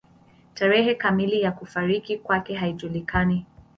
Tarehe kamili ya kufariki kwake haijulikani.